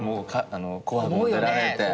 『紅白』に出られて。